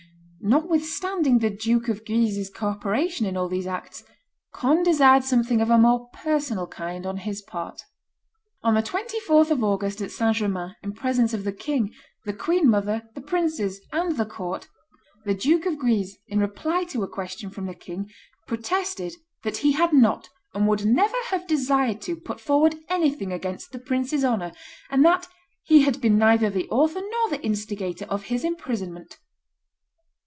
Notwithstanding the Duke of Guise's co operation in all these acts, Conde desired something of a more personal kind on his part. [Illustration: Francis de Lorraine, Duke of Aumale and of Guise 302] On the 24th of August, at St. Germain, in presence of the king, the queen mother, the princes, and the court, the Duke of Guise, in reply to a question from the king, protested "that he had not, and would never have desired to, put forward anything against the prince's honor, and that he had been neither the author nor the instigator of his imprisonment."